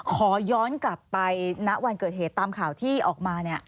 ขอย้อนกลับไปณวันเกิดเหตุตามข่าวที่ออกมา